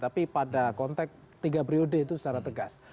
tapi pada konteks tiga periode itu secara tegas